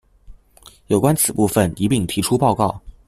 有關此部分一併提出報告